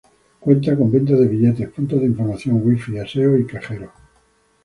Cuenta con venta de billetes, punto de información, wifi, aseos y cajeros.